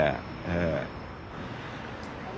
ええ。